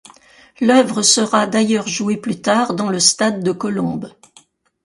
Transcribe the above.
L'œuvre sera d'ailleurs jouée plus tard dans le stade de Colombes.